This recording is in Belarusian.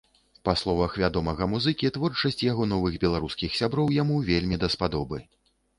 Па словах вядомага музыкі, творчасць яго новых беларускіх сяброў яму вельмі даспадобы.